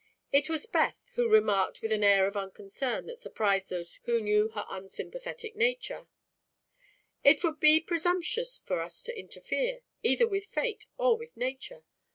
It was Beth who remarked with an air of unconcern that surprised those who knew her unsympathetic nature: "It would be presumptuous for us to interfere, either with Fate or with Nature.